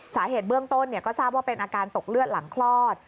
สาเหตุเบื้องต้นก็ทราบว่าเป็นอาการตกเลือดหลังคลอด